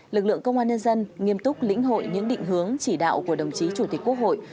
lực lượng công an nhân dân nghiêm túc lĩnh hội những định hướng chỉ đạo của đồng chí chủ tịch quốc hội